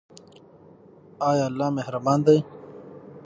ایا الله مهربان دی؟